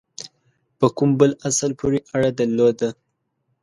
په کوم بل اصل پوري اړه درلوده.